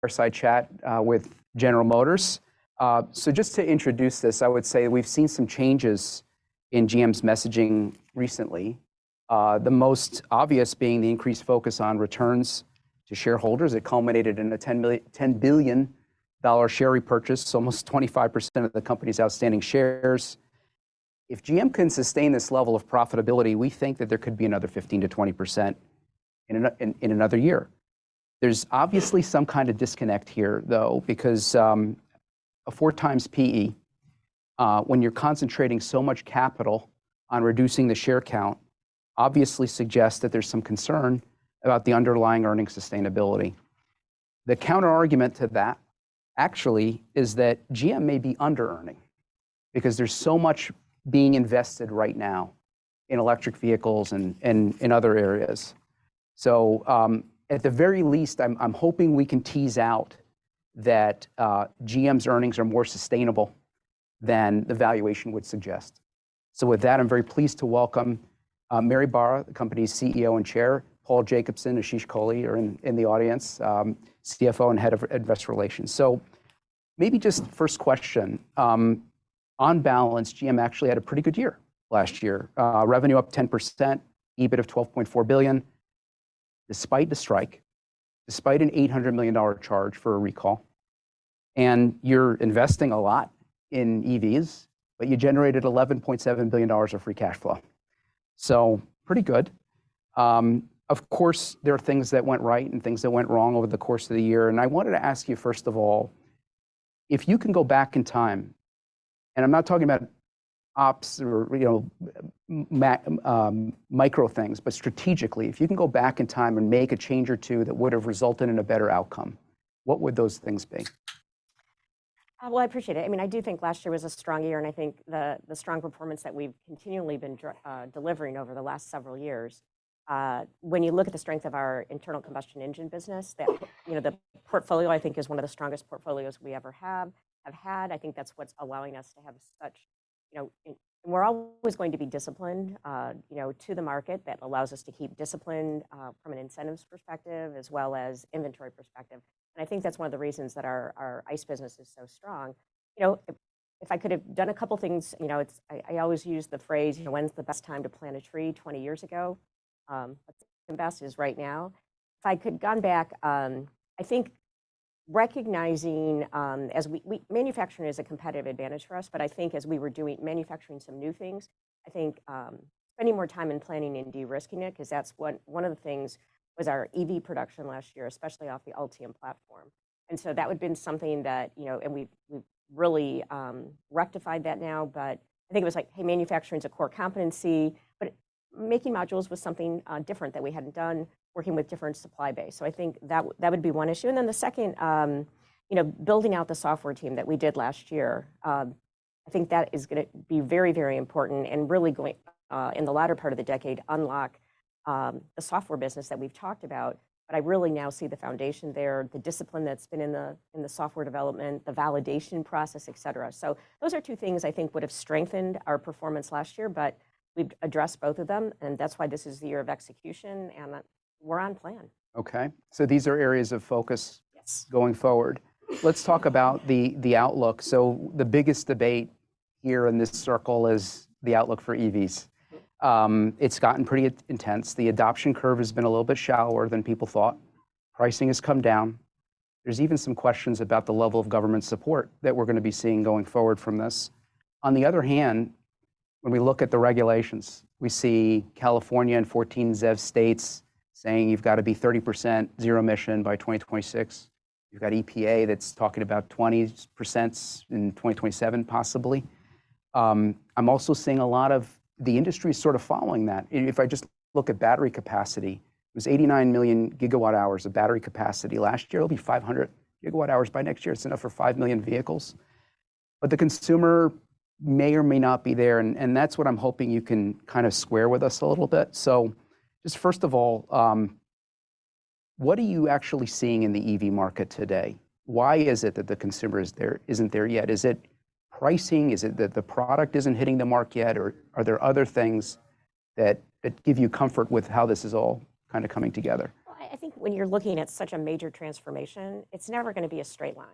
Fireside chat with General Motors. So just to introduce this, I would say we've seen some changes in GM's messaging recently. The most obvious being the increased focus on returns to shareholders. It culminated in a $10 billion share repurchase, almost 25% of the company's outstanding shares. If GM can sustain this level of profitability, we think that there could be another 15%-20% in another year. There's obviously some kind of disconnect here, though, because a 4x PE, when you're concentrating so much capital on reducing the share count, obviously suggests that there's some concern about the underlying earnings sustainability. The counterargument to that, actually, is that GM may be under-earning, because there's so much being invested right now in electric vehicles and in other areas. So, at the very least, I'm hoping we can tease out that, GM's earnings are more sustainable than the valuation would suggest. So with that, I'm very pleased to welcome, Mary Barra, the company's CEO and chair. Paul Jacobson, Ashish Kohli are in the audience, CFO and Head of Investor Relations. So maybe just first question: On balance, GM actually had a pretty good year last year. Revenue up 10%, EBITDA of $12.4 billion, despite the strike, despite an $800 million charge for a recall, and you're investing a lot in EVs, but you generated $11.7 billion of free cash flow. So pretty good. Of course, there are things that went right and things that went wrong over the course of the year, and I wanted to ask you, first of all, if you can go back in time, and I'm not talking about ops or, you know, micro things, but strategically, if you can go back in time and make a change or two that would have resulted in a better outcome, what would those things be? Well, I appreciate it. I mean, I do think last year was a strong year, and I think the strong performance that we've continually been delivering over the last several years. When you look at the strength of our internal combustion engine business, that you know, the portfolio, I think, is one of the strongest portfolios we ever have had. I think that's what's allowing us to have such, you know. And we're always going to be disciplined, you know, to the market. That allows us to keep disciplined from an incentives perspective as well as inventory perspective, and I think that's one of the reasons that our ICE business is so strong. You know, if I could have done a couple of things, you know, I always use the phrase: "When's the best time to plant a tree? 20 years ago. The second best is right now. If I could've gone back, I think recognizing as we manufacturing is a competitive advantage for us, but I think as we were doing manufacturing some new things, I think spending more time in planning and de-risking it, 'cause that's one of the things with our EV production last year, especially off the Ultium platform. And so that would've been something that, you know. And we've really rectified that now, but I think it was like, hey, manufacturing is a core competency, but making modules was something different that we hadn't done, working with different supply base. So I think that would be one issue, and then the second, you know, building out the software team that we did last year. I think that is gonna be very, very important and really going, in the latter part of the decade, unlock, the software business that we've talked about. But I really now see the foundation there, the discipline that's been in the, in the software development, the validation process, et cetera. So those are two things I think would have strengthened our performance last year, but we've addressed both of them, and that's why this is the year of execution, and, we're on plan. Okay. So these are areas of focus. Yes. Going forward. Let's talk about the outlook. So the biggest debate here in this circle is the outlook for EVs. It's gotten pretty intense. The adoption curve has been a little bit shallower than people thought. Pricing has come down. There's even some questions about the level of government support that we're going to be seeing going forward from this. On the other hand, when we look at the regulations, we see California and 14 ZEV states saying you've got to be 30% zero emission by 2026. You've got EPA that's talking about 20% in 2027, possibly. I'm also seeing a lot of the industry sort of following that. If I just look at battery capacity, it was 89 million GWh of battery capacity last year. It'll be 500 GWh by next year. It's enough for 5 million vehicles. But the consumer may or may not be there, and that's what I'm hoping you can kind of square with us a little bit. So just first of all, what are you actually seeing in the EV market today? Why is it that the consumer isn't there yet? Is it pricing? Is it that the product isn't hitting the mark yet, or are there other things that give you comfort with how this is all kind of coming together? Well, I think when you're looking at such a major transformation, it's never going to be a straight line.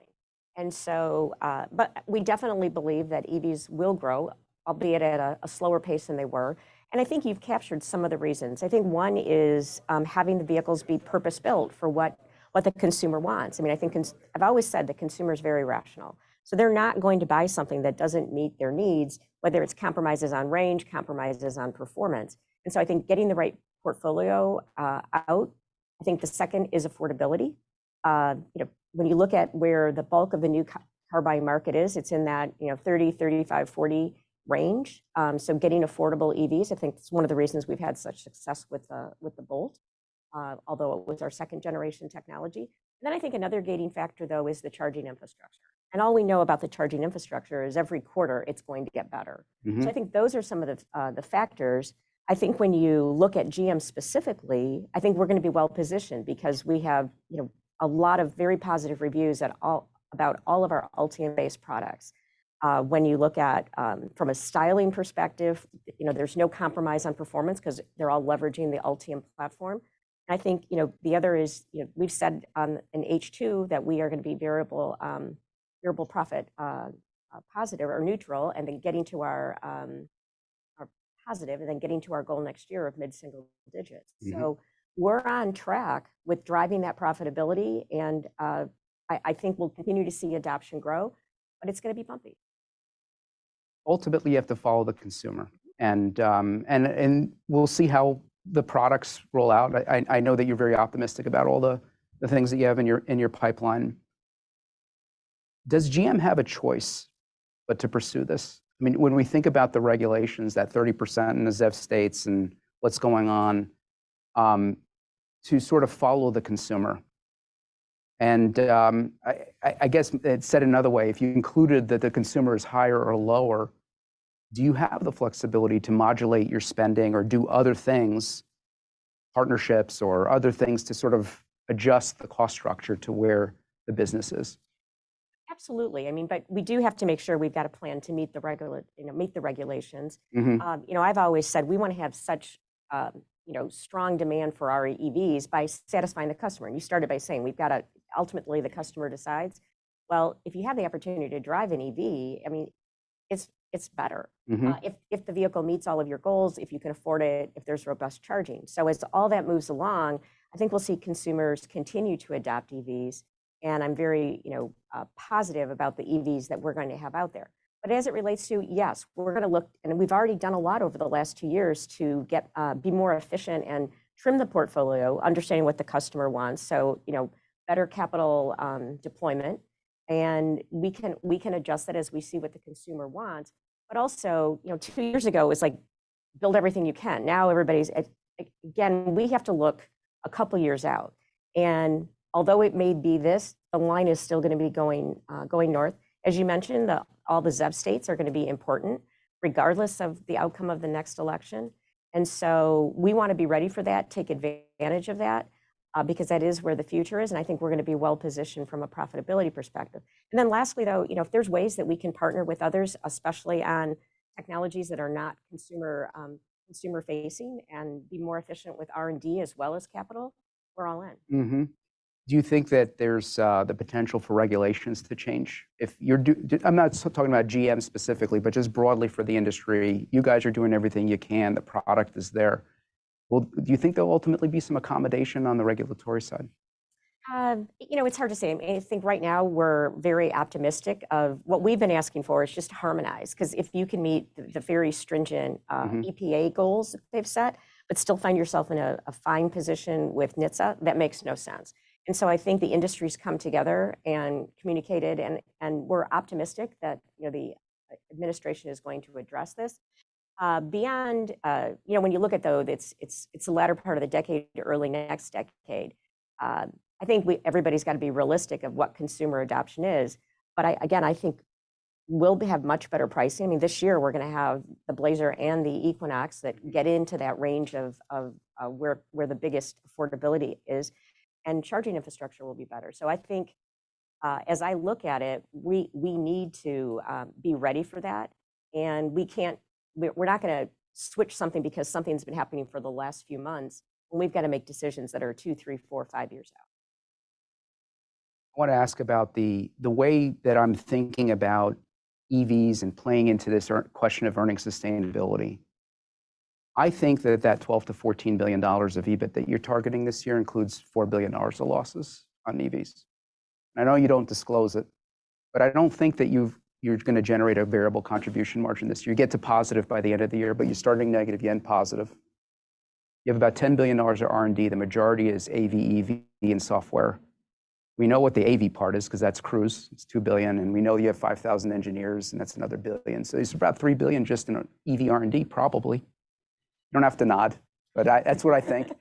And so, but we definitely believe that EVs will grow, albeit at a slower pace than they were, and I think you've captured some of the reasons. I think one is, having the vehicles be purpose-built for what the consumer wants. I mean, I think I've always said, the consumer is very rational, so they're not going to buy something that doesn't meet their needs, whether it's compromises on range, compromises on performance, and so I think getting the right portfolio out. I think the second is affordability. You know, when you look at where the bulk of the new car buying market is, it's in that, you know, 30, 35, 40 range. So getting affordable EVs, I think it's one of the reasons we've had such success with the Bolt, although it was our second-generation technology. Then I think another gating factor, though, is the charging infrastructure. And all we know about the charging infrastructure is every quarter, it's going to get better. Mm-hmm. So I think those are some of the, the factors. I think when you look at GM specifically, I think we're going to be well-positioned because we have, you know, a lot of very positive reviews about all of our Ultium-based products. When you look at, from a styling perspective, you know, there's no compromise on performance 'cause they're all leveraging the Ultium platform. I think, you know, the other is, you know, we've said on in H2 that we are going to be variable profit positive or neutral, and then getting to our, our positive, and then getting to our goal next year of mid-single digits. Mm-hmm. So we're on track with driving that profitability, and I think we'll continue to see adoption grow, but it's gonna be bumpy. Ultimately, you have to follow the consumer, and we'll see how the products roll out. I know that you're very optimistic about all the things that you have in your pipeline. Does GM have a choice but to pursue this? I mean, when we think about the regulations, that 30% in the ZEV states and what's going on, to sort of follow the consumer. I guess, said another way, if you included that the consumer is higher or lower, do you have the flexibility to modulate your spending or do other things, partnerships or other things, to sort of adjust the cost structure to where the business is? Absolutely. I mean, but we do have to make sure we've got a plan to meet the, you know, meet the regulations. Mm-hmm. You know, I've always said we want to have such, you know, strong demand for our EVs by satisfying the customer. And you started by saying we've got to... Ultimately, the customer decides. Well, if you have the opportunity to drive an EV, I mean, it's, it's better. Mm-hmm. If the vehicle meets all of your goals, if you can afford it, if there's robust charging. So as all that moves along, I think we'll see consumers continue to adopt EVs, and I'm very, you know, positive about the EVs that we're going to have out there. But as it relates to, yes, we're going to look and we've already done a lot over the last two years to get be more efficient and trim the portfolio, understanding what the customer wants, so, you know, better capital deployment. And we can adjust that as we see what the consumer wants. But also, you know, two years ago, it was like, "Build everything you can." Now, everybody's. Again, we have to look a couple of years out, and although it may be this, the line is still going to be going, going north. As you mentioned, all the ZEV states are going to be important, regardless of the outcome of the next election, and so we want to be ready for that, take advantage of that, because that is where the future is, and I think we're going to be well-positioned from a profitability perspective. And then lastly, though, you know, if there's ways that we can partner with others, especially on technologies that are not consumer, consumer-facing, and be more efficient with R&D as well as capital, we're all in. Mm-hmm. Do you think that there's the potential for regulations to change? If you're doing, I'm not talking about GM specifically, but just broadly for the industry. You guys are doing everything you can. The product is there. Well, do you think there will ultimately be some accommodation on the regulatory side? You know, it's hard to say. I think right now we're very optimistic of... What we've been asking for is just to harmonize, 'cause if you can meet the very stringent. Mm-hmm. EPA goals they've set but still find yourself in a fine position with NHTSA, that makes no sense. And so I think the industry's come together and communicated, and we're optimistic that, you know, the administration is going to address this. Beyond, you know, when you look at, though, it's the latter part of the decade to early next decade, I think everybody's got to be realistic of what consumer adoption is. But I, again, I think we'll have much better pricing. I mean, this year we're going to have the Blazer and the Equinox that get into that range of, where the biggest affordability is, and charging infrastructure will be better. So I think, as I look at it, we need to be ready for that, and we can't. We're not going to switch something because something's been happening for the last few months, when we've got to make decisions that are two, three, four, five years out. I want to ask about the way that I'm thinking about EVs and playing into this era question of earnings sustainability. I think that $12 billion-14 billion of EBITDA that you're targeting this year includes $4 billion of losses on EVs. I know you don't disclose it, but I don't think that you've... you're going to generate a variable contribution margin this year. You get to positive by the end of the year, but you're starting negative, you end positive. You have about ten billion dollars of R&D. The majority is AV, EV, and software. We know what the AV part is, 'cause that's Cruise, it's two billion, and we know you have 5,000 engineers, and that's another billion. So it's about $3 billion just in EV R&D, probably. You don't have to nod, but that's what I think.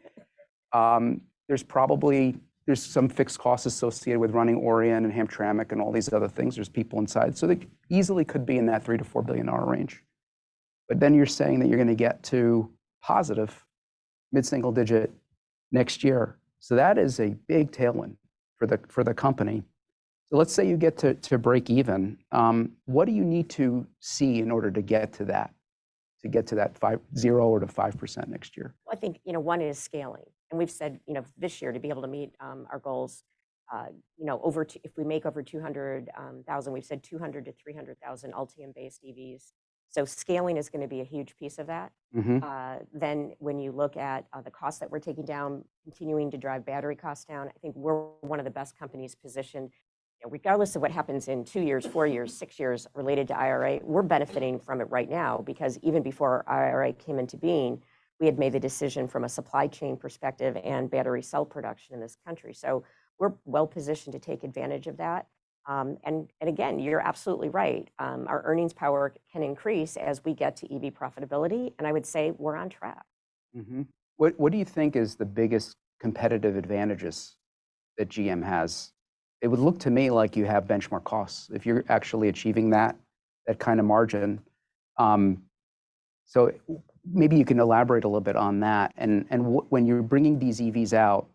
There's probably some fixed costs associated with running Orion and Hamtramck and all these other things. There's people inside. So they easily could be in that $3 billion-$4 billion range. But then you're saying that you're going to get to positive mid-single digit next year. So that is a big tailwind for the company. So let's say you get to break even, what do you need to see in order to get to that 5. 0 or to 5% next year? Well, I think, you know, one is scaling, and we've said, you know, this year, to be able to meet our goals, you know, if we make over 200,000, we've said 200,000-300,000 Ultium-based EVs. So scaling is going to be a huge piece of that. Mm-hmm. Then, when you look at the costs that we're taking down, continuing to drive battery costs down, I think we're one of the best companies positioned. You know, regardless of what happens in two years, four years, six years related to IRA, we're benefiting from it right now because even before IRA came into being, we had made the decision from a supply chain perspective and battery cell production in this country. So we're well positioned to take advantage of that. And, and again, you're absolutely right. Our earnings power can increase as we get to EV profitability, and I would say we're on track. Mm-hmm. What, what do you think is the biggest competitive advantages that GM has? It would look to me like you have benchmark costs, if you're actually achieving that, that kind of margin. So maybe you can elaborate a little bit on that, and, and when you're bringing these EVs out,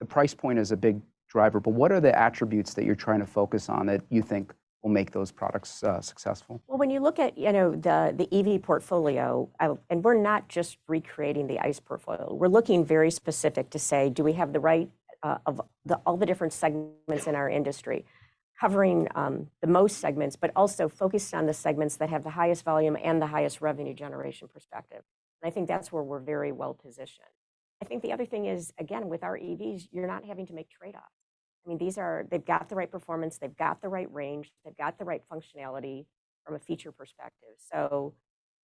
the price point is a big driver, but what are the attributes that you're trying to focus on that you think will make those products successful? Well, when you look at, you know, the EV portfolio, I... And we're not just recreating the ICE portfolio. We're looking very specific to say: Do we have the right of all the different segments in our industry? Covering the most segments, but also focused on the segments that have the highest volume and the highest revenue generation perspective. And I think that's where we're very well positioned. I think the other thing is, again, with our EVs, you're not having to make trade-offs. I mean, these are- they've got the right performance, they've got the right range, they've got the right functionality from a feature perspective. So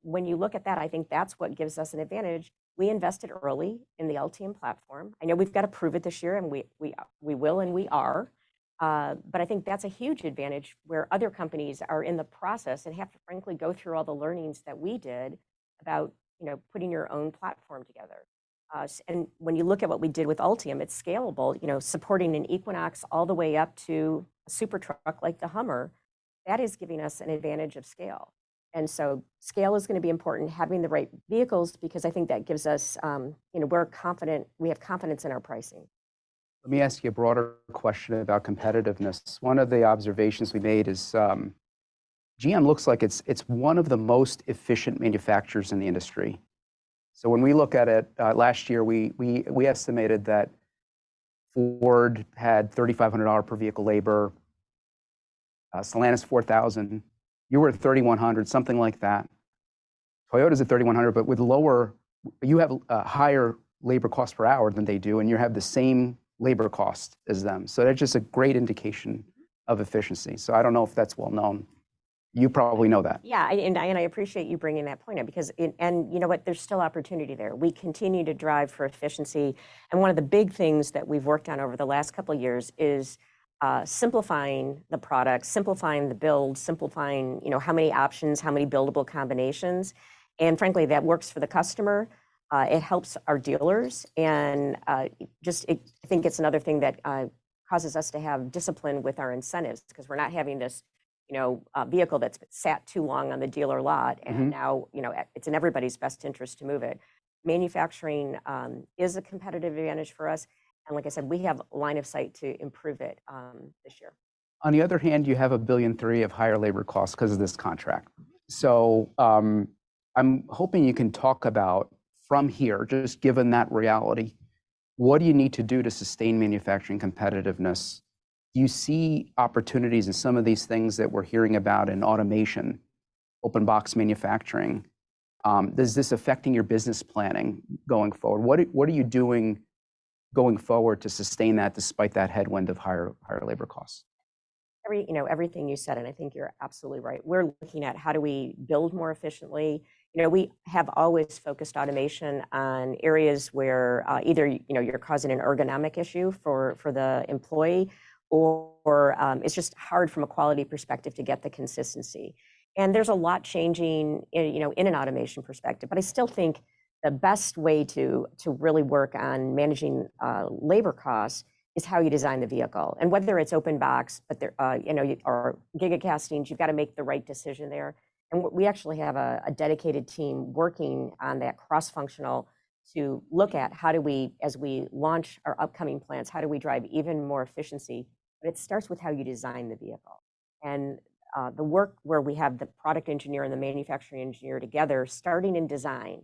when you look at that, I think that's what gives us an advantage. We invested early in the Ultium platform. I know we've got to prove it this year, and we will, and we are. But I think that's a huge advantage where other companies are in the process and have to frankly go through all the learnings that we did about, you know, putting your own platform together. And when you look at what we did with Ultium, it's scalable, you know, supporting an Equinox all the way up to a super truck like the Hummer. That is giving us an advantage of scale. And so scale is gonna be important, having the right vehicles, because I think that gives us, you know, we're confident- we have confidence in our pricing. Let me ask you a broader question about competitiveness. One of the observations we made is, GM looks like it's one of the most efficient manufacturers in the industry. So when we look at it, last year, we estimated that Ford had $3,500 per vehicle labor, Stellantis $4,000, you were at $3,100, something like that. Toyota's at $3,100, but with lower... You have a higher labor cost per hour than they do, and you have the same labor cost as them. So that's just a great indication of efficiency. So I don't know if that's well known. You probably know that. Yeah, and I appreciate you bringing that point up, because it... And you know what? There's still opportunity there. We continue to drive for efficiency, and one of the big things that we've worked on over the last couple of years is simplifying the product, simplifying the build, simplifying, you know, how many options, how many buildable combinations. And frankly, that works for the customer, it helps our dealers, and just, I think it's another thing that causes us to have discipline with our incentives. Because we're not having this, you know, vehicle that's sat too long on the dealer lot. Mm-hmm And now, you know, it's in everybody's best interest to move it. Manufacturing is a competitive advantage for us, and like I said, we have line of sight to improve it, this year. On the other hand, you have $1.3 billion of higher labor costs because of this contract. So, I'm hoping you can talk about, from here, just given that reality, what do you need to do to sustain manufacturing competitiveness? Do you see opportunities in some of these things that we're hearing about in automation, open box manufacturing? Is this affecting your business planning going forward? What are, what are you doing going forward to sustain that despite that headwind of higher, higher labor costs? Everything, you know, everything you said, and I think you're absolutely right. We're looking at: How do we build more efficiently? You know, we have always focused automation on areas where, either, you know, you're causing an ergonomic issue for the employee, or, it's just hard from a quality perspective to get the consistency. And there's a lot changing, you know, in an automation perspective, but I still think the best way to really work on managing labor costs is how you design the vehicle. And whether it's open box, but there, you know, or gigacastings, you've got to make the right decision there. And we actually have a dedicated team working on that cross-functional to look at how do we, as we launch our upcoming plans, how do we drive even more efficiency? But it starts with how you design the vehicle. And, the work where we have the product engineer and the manufacturing engineer together, starting in design,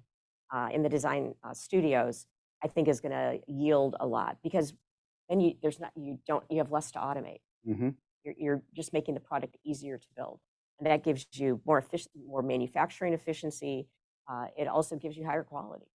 in the design, studios, I think is gonna yield a lot, because then you, there's no, you don't, you have less to automate. Mm-hmm. You're just making the product easier to build, and that gives you more manufacturing efficiency. It also gives you higher quality.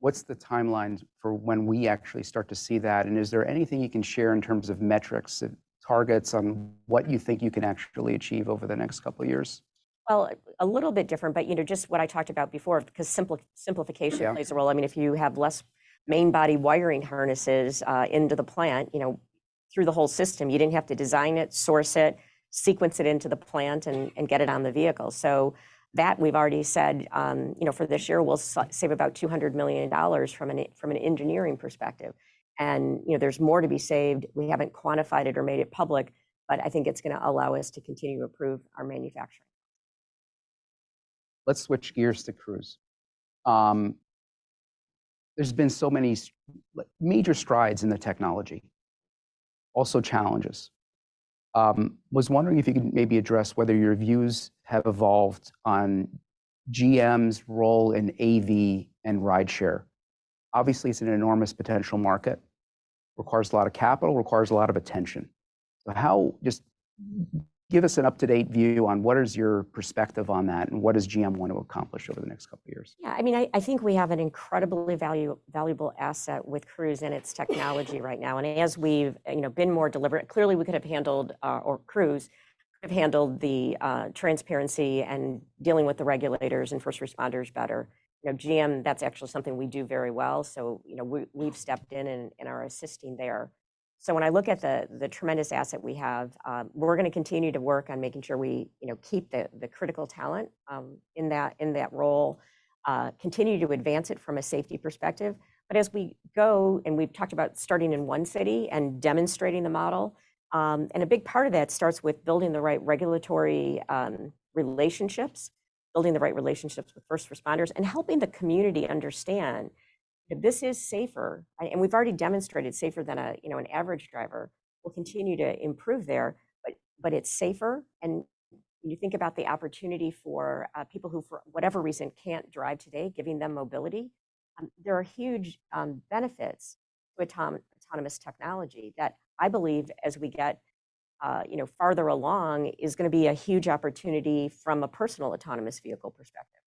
What's the timeline for when we actually start to see that? And is there anything you can share in terms of metrics and targets on what you think you can actually achieve over the next couple of years? Well, a little bit different, but, you know, just what I talked about before, because simplification. Yeah Plays a role. I mean, if you have less main body wiring harnesses into the plant, you know, through the whole system, you didn't have to design it, source it, sequence it into the plant, and get it on the vehicle. So that, we've already said, you know, for this year, we'll save about $200 million from an engineering perspective. And, you know, there's more to be saved. We haven't quantified it or made it public, but I think it's gonna allow us to continue to improve our manufacturing. Let's switch gears to Cruise. There's been so many major strides in the technology, also challenges. Was wondering if you could maybe address whether your views have evolved on GM's role in AV and rideshare? Obviously, it's an enormous potential market. Requires a lot of capital, requires a lot of attention. But how... Just give us an up-to-date view on what is your perspective on that, and what does GM want to accomplish over the next couple of years? Yeah, I mean, I think we have an incredibly valuable asset with Cruise and its technology right now. And as we've, you know, been more deliberate, clearly, we could have handled or Cruise could have handled the transparency and dealing with the regulators and first responders better. You know, GM, that's actually something we do very well, so, you know, we've stepped in and are assisting there. So when I look at the tremendous asset we have, we're gonna continue to work on making sure we, you know, keep the critical talent in that role, continue to advance it from a safety perspective. But as we go, and we've talked about starting in one city and demonstrating the model, and a big part of that starts with building the right regulatory relationships, building the right relationships with first responders, and helping the community understand that this is safer. And we've already demonstrated safer than, you know, an average driver. We'll continue to improve there, but it's safer. When you think about the opportunity for people who, for whatever reason, can't drive today, giving them mobility, there are huge benefits to autonomous technology that I believe as we get, you know, farther along, is gonna be a huge opportunity from a personal autonomous vehicle perspective.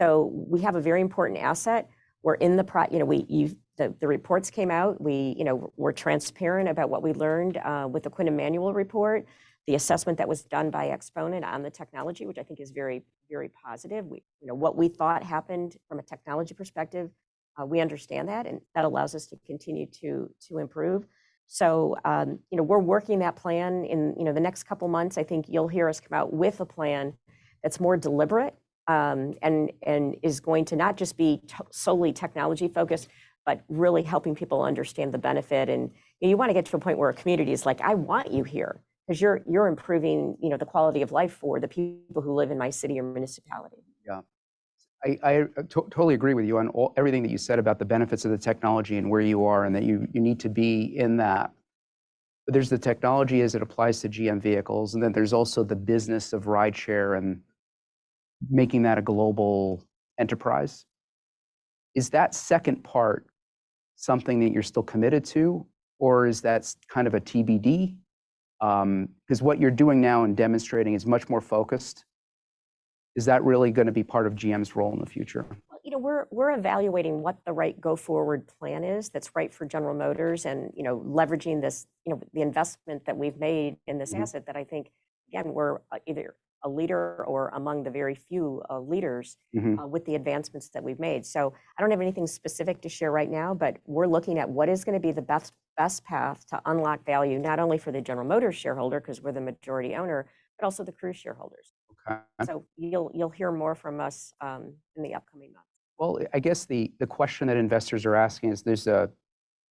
So we have a very important asset. We're in the, you know, the reports came out. We, you know, we're transparent about what we learned with the Quinn Emanuel Report. The assessment that was done by Exponent on the technology, which I think is very, very positive. We, you know, what we thought happened from a technology perspective, we understand that, and that allows us to continue to improve. So, you know, we're working that plan. In, you know, the next couple months, I think you'll hear us come out with a plan that's more deliberate, and is going to not just be solely technology-focused, but really helping people understand the benefit. And, you know, you want to get to a point where a community is like: I want you here, 'cause you're improving, you know, the quality of life for the people who live in my city or municipality. Yeah. I totally agree with you on everything that you said about the benefits of the technology and where you are, and that you need to be in that. But there's the technology as it applies to GM vehicles, and then there's also the business of rideshare and making that a global enterprise. Is that second part something that you're still committed to, or is that kind of a TBD? 'Cause what you're doing now and demonstrating is much more focused. Is that really gonna be part of GM's role in the future? Well, you know, we're evaluating what the right go-forward plan is that's right for General Motors and, you know, leveraging this, you know, the investment that we've made in this. Mm Asset that I think, again, we're either a leader or among the very few leaders- Mm-hmm. With the advancements that we've made. So I don't have anything specific to share right now, but we're looking at what is gonna be the best, best path to unlock value, not only for the General Motors shareholder, 'cause we're the majority owner, but also the Cruise shareholders. Okay. You'll hear more from us in the upcoming months. Well, I guess the question that investors are asking is, there's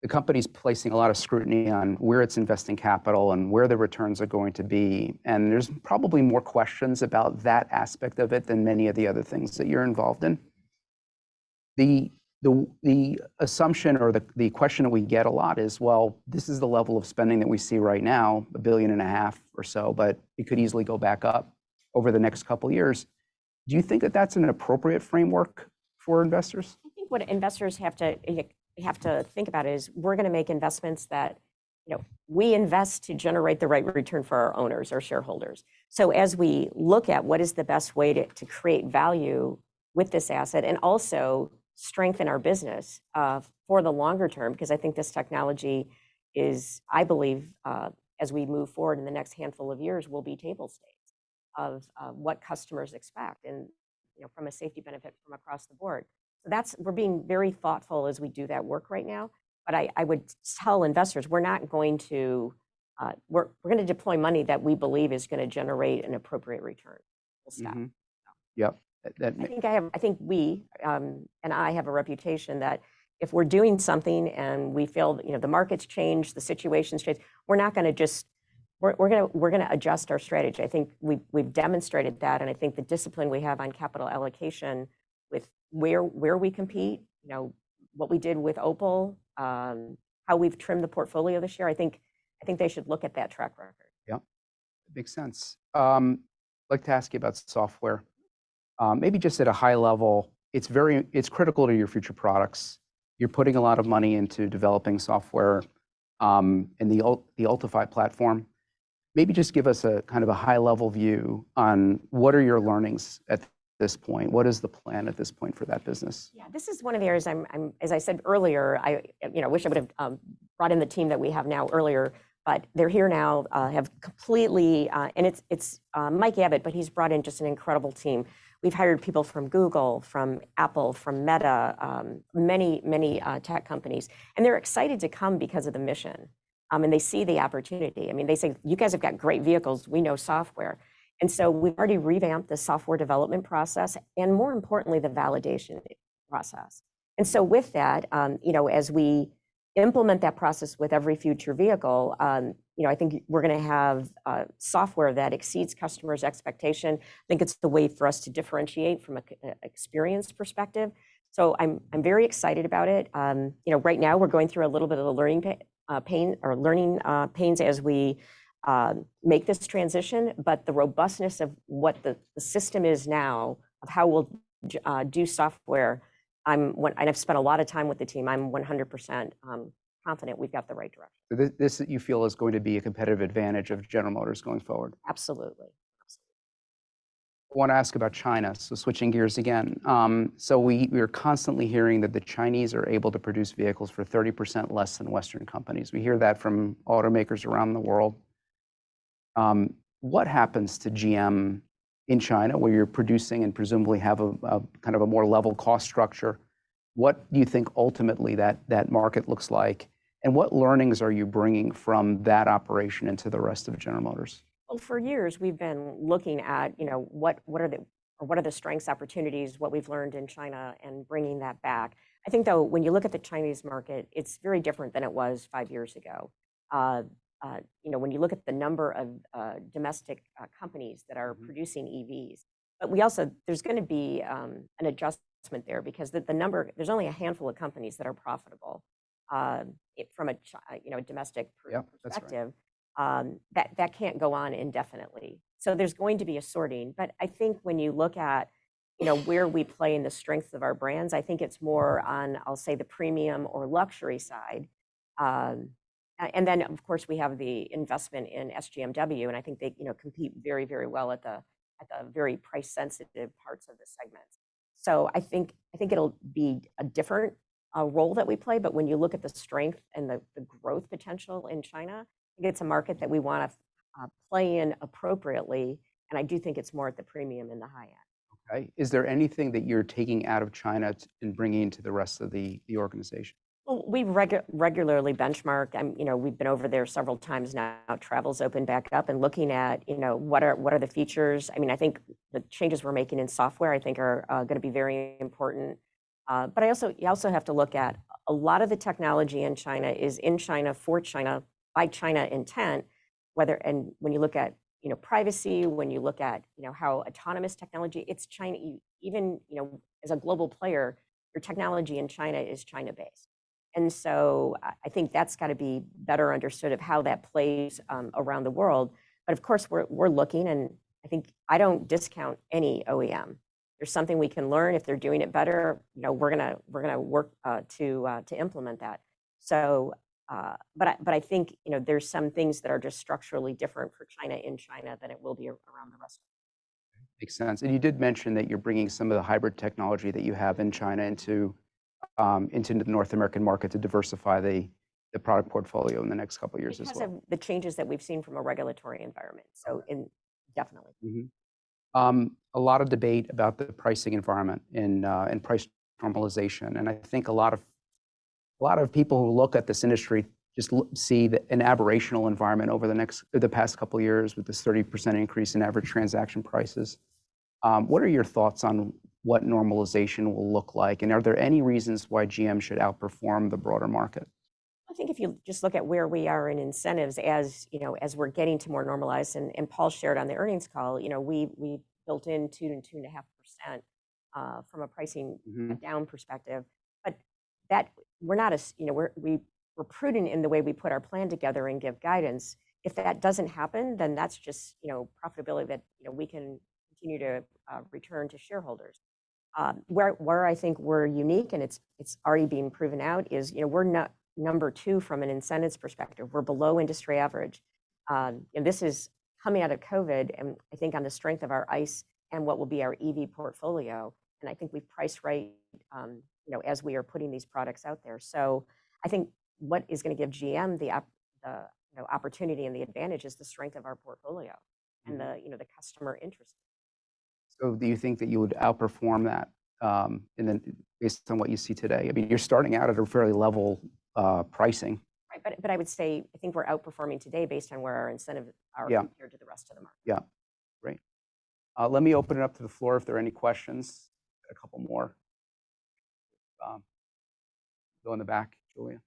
the company's placing a lot of scrutiny on where it's investing capital and where the returns are going to be, and there's probably more questions about that aspect of it than many of the other things that you're involved in. The assumption or the question that we get a lot is, well, this is the level of spending that we see right now, $1.5 billion or so, but it could easily go back up over the next couple of years. Do you think that that's an appropriate framework for investors? I think what investors have to have to think about is we're gonna make investments that, you know, we invest to generate the right return for our owners, our shareholders. So as we look at what is the best way to create value with this asset and also strengthen our business for the longer term, 'cause I think this technology is, I believe, as we move forward in the next handful of years, will be table stakes of what customers expect and, you know, from a safety benefit across the board. So that's we're being very thoughtful as we do that work right now, but I would tell investors, we're not going to. We're gonna deploy money that we believe is gonna generate an appropriate return. Mm-hmm. We'll stop. Yep. That I think we have a reputation that if we're doing something and we feel, you know, the market's changed, the situation's changed, we're not gonna just... We're gonna adjust our strategy. I think we've demonstrated that, and I think the discipline we have on capital allocation with where we compete, you know, what we did with, how we've trimmed the portfolio this year, I think they should look at that track record. Yep, makes sense. I'd like to ask you about software. Maybe just at a high level, it's critical to your future products. You're putting a lot of money into developing software, and the Ultifi platform. Maybe just give us a kind of a high-level view on what are your learnings at this point? What is the plan at this point for that business? Yeah, this is one of the areas I'm as I said earlier, I you know wish I would've brought in the team that we have now earlier, but they're here now have completely. And it's Mike Abbott, but he's brought in just an incredible team. We've hired people from Google, from Apple, from, many, many tech companies, and they're excited to come because of the mission. And they see the opportunity. I mean, they say, "You guys have got great vehicles. We know software." And so we've already revamped the software development process and more importantly, the validation process. And so with that, you know, as we implement that process with every future vehicle, you know, I think we're gonna have software that exceeds customers' expectation. I think it's the way for us to differentiate from a customer experience perspective. So I'm very excited about it. You know, right now we're going through a little bit of a learning pains as we make this transition, but the robustness of what the system is now, of how we'll do software, and I've spent a lot of time with the team. I'm 100% confident we've got the right direction. So this, you feel, is going to be a competitive advantage of General Motors going forward? Absolutely. Absolutely. I want to ask about China, so switching gears again. So we're constantly hearing that the Chinese are able to produce vehicles for 30% less than Western companies. We hear that from automakers around the world. What happens to GM in China, where you're producing and presumably have a kind of a more level cost structure? What do you think ultimately that market looks like, and what learnings are you bringing from that operation into the rest of General Motors? Well, for years we've been looking at, you know, what are the strengths, opportunities, what we've learned in China, and bringing that back. I think, though, when you look at the Chinese market, it's very different than it was five years ago. You know, when you look at the number of domestic companies that are. Mm Producing EVs. But we also, there's gonna be an adjustment there because the number, there's only a handful of companies that are profitable. It from a, you know, a domestic per- Yeah, that's right. perspective, that can't go on indefinitely. So there's going to be a sorting. But I think when you look at, you know, where we play and the strength of our brands, I think it's more- Mm-hmm... on, I'll say, the premium or luxury side. And then, of course, we have the investment in SGMW, and I think they, you know, compete very, very well at the, at the very price sensitive parts of the segment. So I think, I think it'll be a different role that we play, but when you look at the strength and the, the growth potential in China, I think it's a market that we wanna play in appropriately, and I do think it's more at the premium and the high end. Okay. Is there anything that you're taking out of China and bringing into the rest of the organization? Well, we regularly benchmark. You know, we've been over there several times now. Travel's opened back up, and looking at, you know, what are, what are the features. I mean, I think the changes we're making in software, I think are gonna be very important. But I also... You also have to look at, a lot of the technology in China is in China, for China, by China intent, whether. And when you look at, you know, privacy, when you look at, you know, how autonomous technology, it's China. Even, you know, as a global player, your technology in China is China-based. And so, I, I think that's gotta be better understood, of how that plays around the world. But of course, we're, we're looking, and I think I don't discount any OEM. If there's something we can learn, if they're doing it better, you know, we're gonna work to implement that. So, but I think, you know, there's some things that are just structurally different for China in China than it will be around the rest of the world. Makes sense. You did mention that you're bringing some of the hybrid technology that you have in China into the North American market to diversify the product portfolio in the next couple of years as well. Because of the changes that we've seen from a regulatory environment, so in- Right... definitely. Mm-hmm. A lot of debate about the pricing environment and price normalization. And I think a lot of, a lot of people who look at this industry just see the aberrational environment over the past couple of years, with this 30% increase in average transaction prices. What are your thoughts on what normalization will look like? And are there any reasons why GM should outperform the broader market? I think if you just look at where we are in incentives, as you know, as we're getting to more normalized, and Paul shared on the earnings call, you know, we built in 2%-2.5%, from a pricing- Mm-hmm.... a down perspective. But that, we're not as... You know, we're prudent in the way we put our plan together and give guidance. If that doesn't happen, then that's just, you know, profitability that, you know, we can continue to return to shareholders. Where I think we're unique, and it's already being proven out, is, you know, we're number two from an incentives perspective. We're below industry average. And this is coming out of COVID, and I think on the strength of our ICE and what will be our EV portfolio, and I think we've priced right, you know, as we are putting these products out there. So I think what is gonna give GM the opportunity and the advantage is the strength of our portfolio- Mm-hmm.... and the, you know, the customer interest. Do you think that you would outperform that, and then based on what you see today? I mean, you're starting out at a fairly level pricing. Right. But I would say, I think we're outperforming today based on where our incentives are- Yeah... compared to the rest of the market. Yeah. Great. Let me open it up to the floor if there are any questions. A couple more. Go in the back, Julian.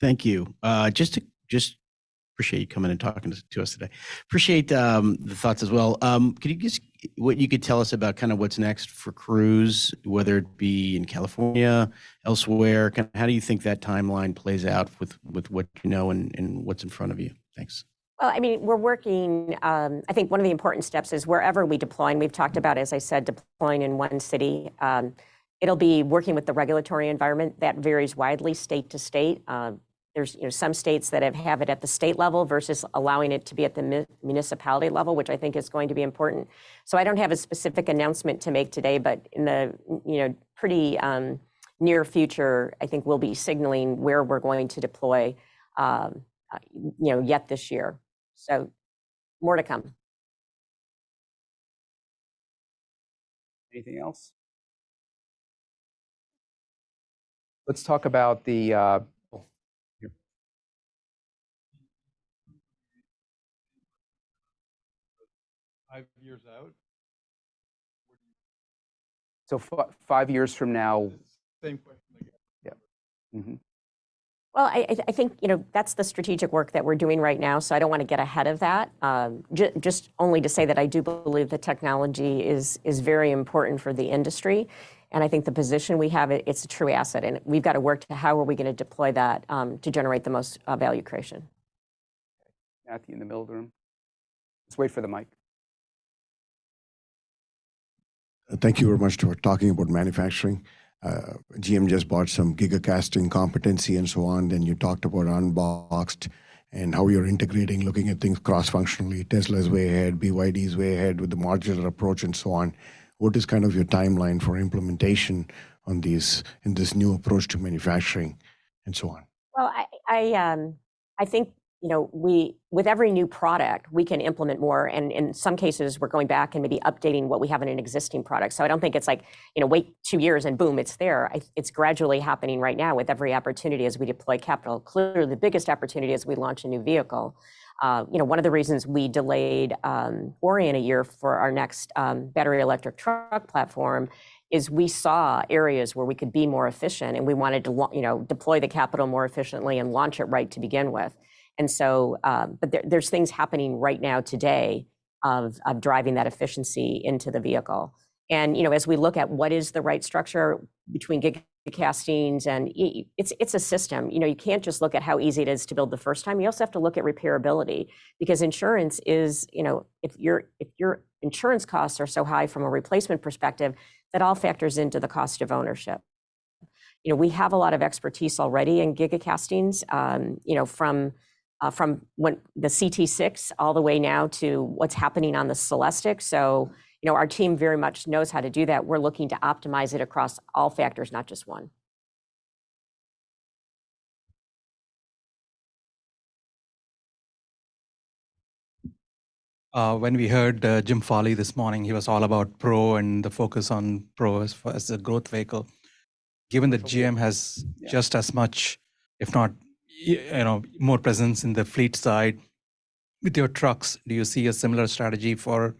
Thank you. Just to, just appreciate you coming and talking to us today. Appreciate, the thoughts as well. Could you just... What you could tell us about kind of what's next for Cruise, whether it be in California, elsewhere? How do you think that timeline plays out with, with what you know and, and what's in front of you? Thanks. Well, I mean, we're working. I think one of the important steps is wherever we deploy, and we've talked about, as I said, deploying in one city, it'll be working with the regulatory environment. That varies widely state to state. There's, you know, some states that have it at the state level versus allowing it to be at the municipality level, which I think is going to be important. So I don't have a specific announcement to make today, but in the, you know, pretty near future, I think we'll be signaling where we're going to deploy, you know, yet this year. So more to come. Anything else? Let's talk about the, Oh, here. Five years out, where do you- So five years from now?... Yes, same question again. Yeah. Mm-hmm. Well, I think, you know, that's the strategic work that we're doing right now, so I don't want to get ahead of that. Just only to say that I do believe that technology is very important for the industry, and I think the position we have, it's a true asset, and we've got to work to how are we gonna deploy that, to generate the most value creation? Matthew, in the middle of the room. Let's wait for the mic. Thank you very much. So we're talking about manufacturing. GM just bought some gigacasting competency and so on, then you talked about unboxed and how you're integrating, looking at things cross-functionally. Tesla is way ahead, is way ahead with the modular approach, and so on. What is kind of your timeline for implementation on this, in this new approach to manufacturing, and so on? Well, I think, you know, we, with every new product, we can implement more, and in some cases, we're going back and maybe updating what we have in an existing product. So I don't think it's like, you know, wait two years and boom, it's there. It's gradually happening right now with every opportunity as we deploy capital. Clearly, the biggest opportunity is we launch a new vehicle. You know, one of the reasons we delayed Orion a year for our next battery electric truck platform is we saw areas where we could be more efficient, and we wanted to you know, deploy the capital more efficiently and launch it right to begin with. And so, but there, there's things happening right now today of driving that efficiency into the vehicle. You know, as we look at what is the right structure between gigacasting and why it's, it's a system. You know, you can't just look at how easy it is to build the first time, you also have to look at repairability. Because insurance is, you know, if your insurance costs are so high from a replacement perspective, that all factors into the cost of ownership. You know, we have a lot of expertise already in gigacasting, you know, from when the CT6 all the way now to what's happening on the Celestiq. So, you know, our team very much knows how to do that. We're looking to optimize it across all factors, not just one. When we heard Jim Farley this morning, he was all about Pro and the focus on Pro as a growth vehicle. Given that GM has- Yeah... just as much, if not, you know, more presence in the fleet side, with your trucks, do you see a similar strategy for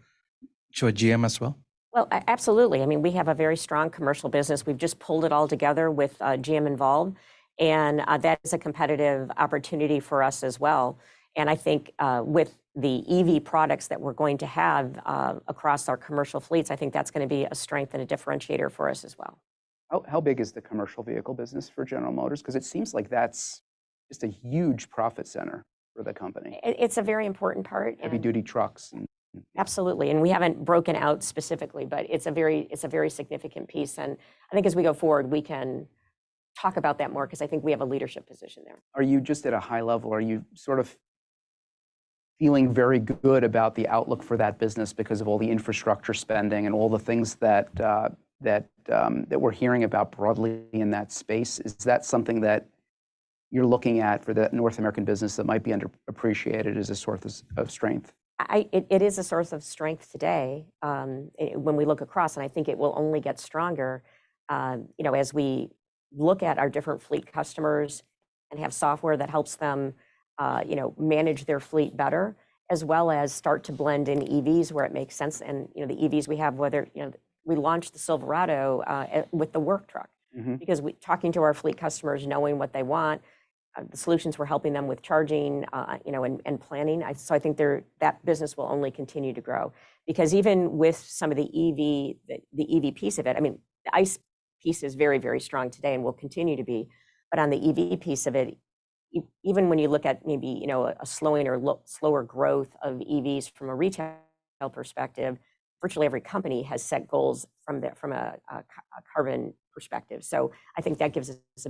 sure GM as well? Well, absolutely. I mean, we have a very strong commercial business. We've just pulled it all together with GM Envolve, and that is a competitive opportunity for us as well. And I think, with the EV products that we're going to have, across our commercial fleets, I think that's gonna be a strength and a differentiator for us as well. How big is the commercial vehicle business for General Motors? 'Cause it seems like that's just a huge profit center for the company. It's a very important part, and- Heavy-duty trucks. Absolutely. And we haven't broken out specifically, but it's a very, it's a very significant piece. And I think as we go forward, we can talk about that more, 'cause I think we have a leadership position there. Are you just at a high level, are you sort of feeling very good about the outlook for that business because of all the infrastructure spending and all the things that, that we're hearing about broadly in that space? Is that something that you're looking at for the North American business that might be underappreciated as a source of strength? It is a source of strength today, when we look across, and I think it will only get stronger. You know, as we look at our different fleet customers and have software that helps them, you know, manage their fleet better, as well as start to blend in EVs where it makes sense. And, you know, the EVs we have, whether... You know, we launched the Silverado with the Work Truck. Mm-hmm. Because, talking to our fleet customers, knowing what they want, the solutions we're helping them with charging, you know, and planning. So I think that business will only continue to grow. Because even with some of the EV, the EV piece of it, I mean, the ICE piece is very, very strong today and will continue to be, but on the EV piece of it, even when you look at maybe, you know, a slowing or slower growth of EVs from a retail perspective, virtually every company has set goals from a carbon perspective. So I think that gives us a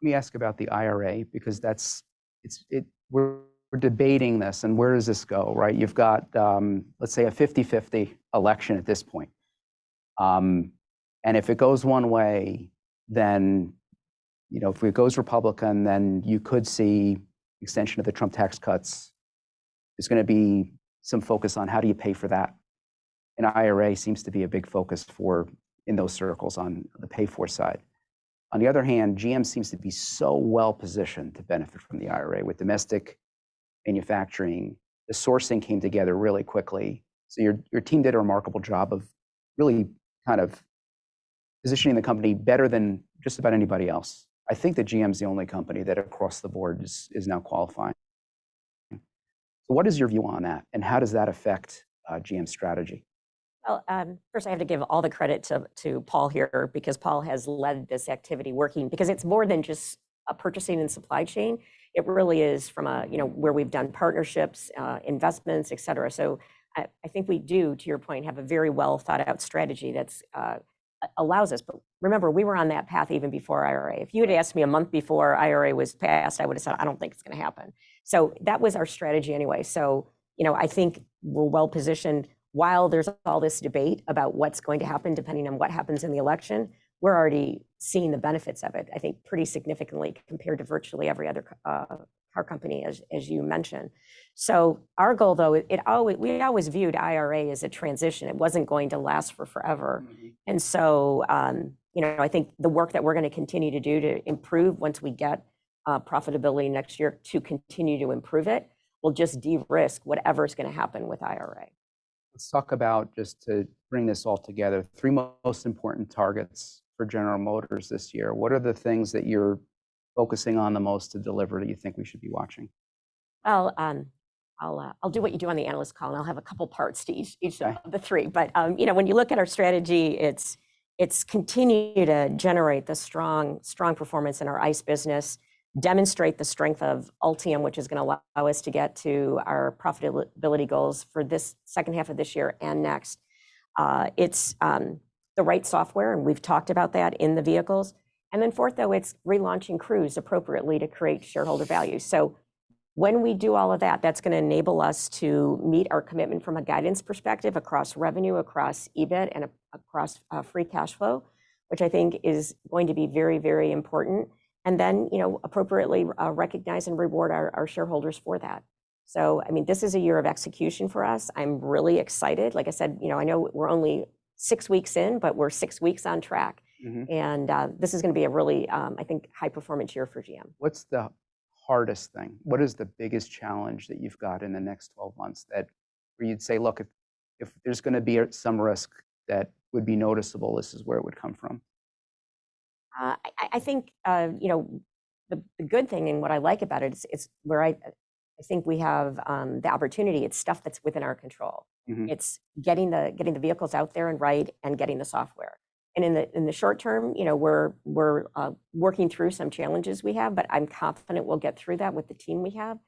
big opportunity as well. Let me ask about the IRA, because that's it, we're debating this, and where does this go, right? You've got, let's say a 50/50 election at this point. And if it goes one way, then, you know, if it goes Republican, then you could see extension of the Trump tax cuts. There's gonna be some focus on how do you pay for that, and IRA seems to be a big focus for in those circles on the pay-for side. On the other hand, GM seems to be so well-positioned to benefit from the IRA, with domestic manufacturing, the sourcing came together really quickly. So your team did a remarkable job of really kind of positioning the company better than just about anybody else. I think that GM's the only company that across the board is now qualifying. What is your view on that, and how does that affect, GM's strategy? Well, first, I have to give all the credit to, to Paul here, because Paul has led this activity, working... Because it's more than just a purchasing and supply chain, it really is from, you know, where we've done partnerships, investments, et cetera. So I, I think we do, to your point, have a very well-thought-out strategy that's allows us... But remember, we were on that path even before IRA. Right. If you had asked me a month before IRA was passed, I would've said, "I don't think it's gonna happen." So that was our strategy anyway. So, you know, I think we're well-positioned. While there's all this debate about what's going to happen, depending on what happens in the election, we're already seeing the benefits of it, I think, pretty significantly compared to virtually every other car company, as you mentioned. So our goal, though, we always viewed IRA as a transition. It wasn't going to last for forever. Mm-hmm. And so, you know, I think the work that we're gonna continue to do to improve once we get profitability next year, to continue to improve it, will just de-risk whatever's gonna happen with IRA. Let's talk about, just to bring this all together, three most important targets for General Motors this year. What are the things that you're focusing on the most to deliver that you think we should be watching? I'll do what you do on the analyst call, and I'll have a couple of parts to each, each- Sure The three. But, you know, when you look at our strategy, it's continue to generate the strong, strong performance in our ICE business, demonstrate the strength of Ultium, which is gonna allow us to get to our profitability goals for this second half of this year and next. It's the right software, and we've talked about that, in the vehicles. And then fourth, though, it's relaunching Cruise appropriately to create shareholder value. So when we do all of that, that's gonna enable us to meet our commitment from a guidance perspective across revenue, across EBITDA, and across free cash flow, which I think is going to be very, very important. And then, you know, appropriately, recognize and reward our shareholders for that. So, I mean, this is a year of execution for us. I'm really excited. Like I said, you know, I know we're only six weeks in, but we're six weeks on track. Mm-hmm. This is gonna be a really, I think, high-performance year for GM. What's the hardest thing? What is the biggest challenge that you've got in the next 12 months that where you'd say, "Look, if there's gonna be some risk that would be noticeable, this is where it would come from"? I think, you know, the good thing and what I like about it is where I think we have the opportunity, it's stuff that's within our control. Mm-hmm. It's getting the vehicles out there and right, and getting the software. In the short term, you know, we're working through some challenges we have, but I'm confident we'll get through that with the team we have,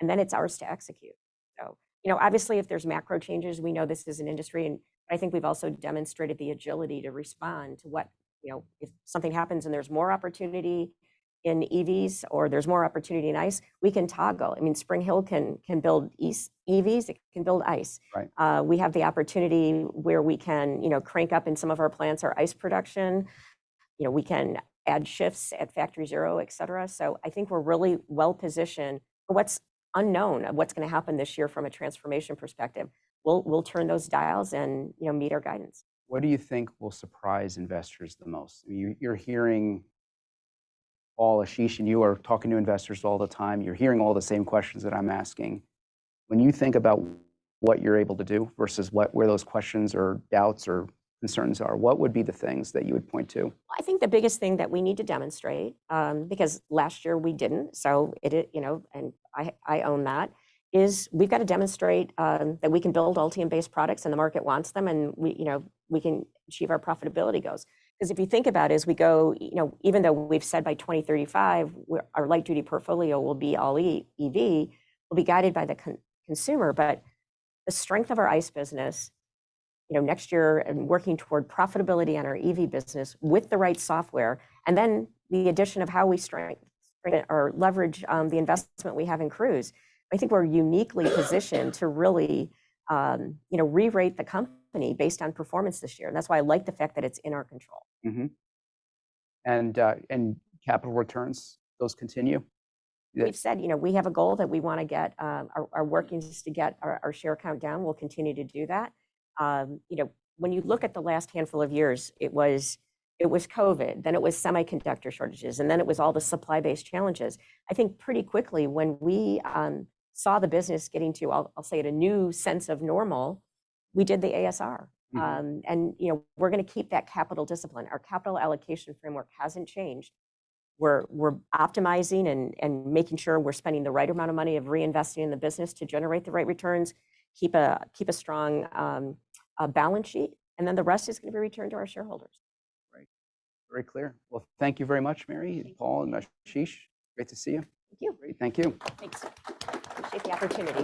and then it's ours to execute. So, you know, obviously, if there's macro changes, we know this is an industry, and I think we've also demonstrated the agility to respond to what... You know, if something happens and there's more opportunity in EVs or there's more opportunity in ICE, we can toggle. I mean, Spring Hill can build EVs, it can build ICE. Right. We have the opportunity where we can, you know, crank up in some of our plants, our ICE production. You know, we can add shifts at Factory ZERO, et cetera. So I think we're really well-positioned for what's unknown of what's gonna happen this year from a transformation perspective. We'll turn those dials and, you know, meet our guidance. What do you think will surprise investors the most? You—you're hearing, Paul, Ashish—and you are talking to investors all the time. You're hearing all the same questions that I'm asking. When you think about what you're able to do versus what-where those questions, or doubts, or concerns are, what would be the things that you would point to? I think the biggest thing that we need to demonstrate, because last year we didn't, so it, you know, and I own that, is we've got to demonstrate, that we can build Ultium-based products, and the market wants them, and we, you know, we can achieve our profitability goals. Because if you think about it, as we go, you know, even though we've said by 2035, our light duty portfolio will be all EV, we'll be guided by the consumer. But the strength of our ICE business, you know, next year and working toward profitability on our EV business with the right software, and then the addition of how we or leverage the investment we have in Cruise, I think we're uniquely positioned to really, you know, re-rate the company based on performance this year, and that's why I like the fact that it's in our control. Mm-hmm. And capital returns, those continue? We've said, you know, we have a goal that we want to get. We are working just to get our share count down. We'll continue to do that. You know, when you look at the last handful of years, it was COVID, then it was semiconductor shortages, and then it was all the supply-based challenges. I think pretty quickly when we saw the business getting to, I'll say at a new sense of normal, we did the ASR. Mm. You know, we're gonna keep that capital discipline. Our capital allocation framework hasn't changed. We're optimizing and making sure we're spending the right amount of money of reinvesting in the business to generate the right returns, keep a strong balance sheet, and then the rest is gonna be returned to our shareholders. Great. Very clear. Well, thank you very much, Mary- Thank you.... Paul and Ashish. Great to see you. Thank you. Great. Thank you. Thanks. Appreciate the opportunity.